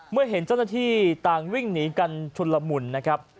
เมื่อเห็นเจ้าหน้าที่ต่างวิ่งหนีกันชุนละมุนนะครับ